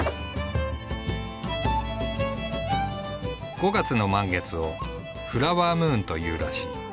５月の満月を「フラワームーン」というらしい。